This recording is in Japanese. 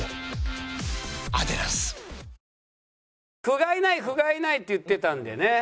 「ふがいないふがいない」って言ってたんでね